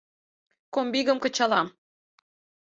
Комбигым кычалам.